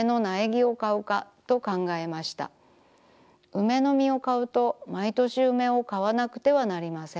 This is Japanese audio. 梅の実を買うとまいとし梅を買わなくてはなりません。